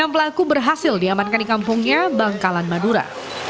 enam pelaku berhasil diamankan di kampungnya bangkalan madura